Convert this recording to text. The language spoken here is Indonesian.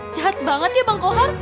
jahat banget ya bang kohar